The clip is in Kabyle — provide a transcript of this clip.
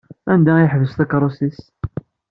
Anda i yeḥbes takeṛṛust-is?